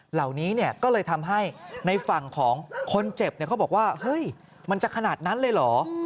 เหล่านี้ก็เลยทำให้ในฝั่งของคนเจ็บเขาบอกว่าเฮ้ยมันจะขนาดนั้นเลยเหรอ